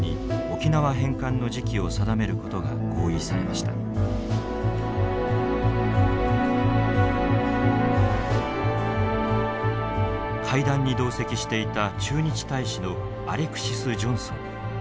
そして日米首脳会談で会談に同席していた駐日大使のアレクシス・ジョンソン。